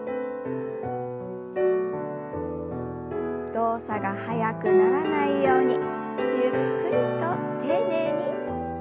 動作が速くならないようにゆっくりと丁寧に。